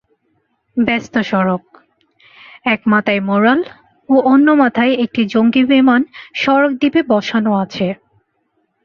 ব্যস্ত সড়ক, এক মাথায় ম্যুরাল ও অন্য মাথায় একটি জঙ্গি বিমান সড়ক দ্বীপে বসানো আছে।